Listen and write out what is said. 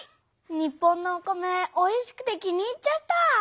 日本のお米おいしくて気に入っちゃった！